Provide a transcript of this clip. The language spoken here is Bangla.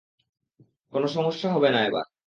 কোনো সমস্যা হবে না এবার।